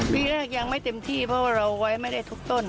ปีแรกยังไม่เต็มที่เพราะว่าเราไว้ไม่ได้ทุกต้น